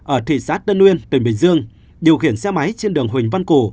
ở thị xác tân nguyên tỉnh bình dương điều khiển xe máy trên đường huỳnh văn cổ